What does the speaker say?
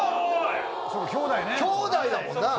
兄弟だもんな。